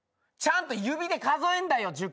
ちゃんと指で数えんだよ。